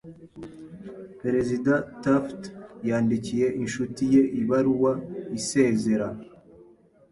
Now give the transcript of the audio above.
Perezida Taft yandikiye inshuti ye ibaruwa isezera.